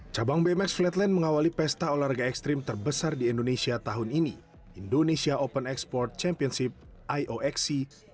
cabang bmx flatland mengawali pesta olahraga ekstrim terbesar di indonesia tahun ini indonesia open exports championship ioxc dua ribu tujuh belas